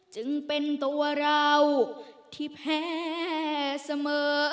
จึงเป็นตัวเราที่แพ้เสมอ